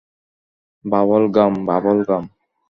Bubble gum, bubble gum.